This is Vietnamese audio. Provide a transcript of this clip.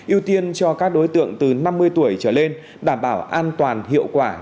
ưu tiên cho các đối tượng từ năm mươi tuổi trở lên đảm bảo an toàn hiệu quả